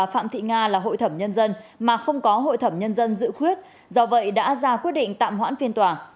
phạm thị nga là hội thẩm nhân dân mà không có hội thẩm nhân dân dự khuyết do vậy đã ra quyết định tạm hoãn phiên tòa